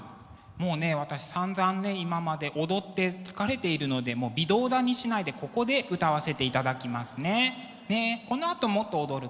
もうね私さんざん今まで踊って疲れているので微動だにしないでここで歌わせていただきますね。